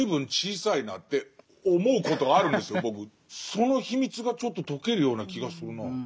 その秘密がちょっと解けるような気がするなぁ。